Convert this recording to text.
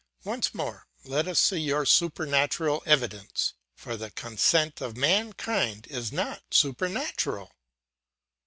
Once more, let us see your supernatural evidence, for the consent of mankind is not supernatural.